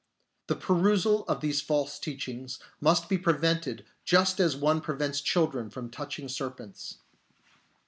The perusal of these false teachings must be pre vented just as one prevents children from touch ing serpents.